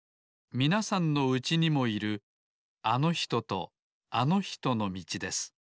みなさんのうちにもいるあのひととあのひとのみちです